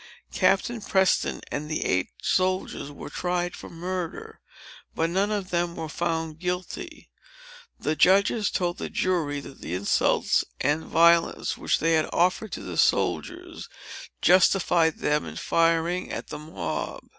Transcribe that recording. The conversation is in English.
Captain Preston and the eight soldiers were tried for murder. But none of them were found guilty. The judges told the jury that the insults and violence which had been offered to the soldiers, justified them in firing at the mob."